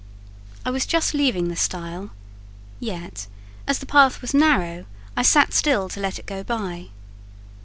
I was just leaving the stile; yet, as the path was narrow, I sat still to let it go by.